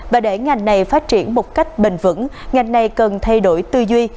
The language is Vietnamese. và để ngành này phát triển một cách bình vẩn ngành này cần thay đổi tư duy